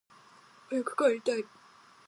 早く帰りたい